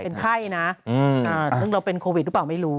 เป็นไข้นะซึ่งเราเป็นโควิดหรือเปล่าไม่รู้